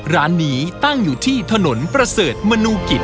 ร้านนี้ตั้งอยู่ที่ถนนประเสริฐมนูกิจ